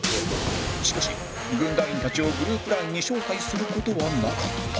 しかし軍団員たちをグループ ＬＩＮＥ に招待する事はなかった